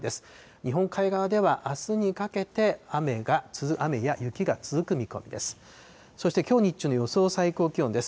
日本海側ではあすにかけて雨や雪が続く見込みです。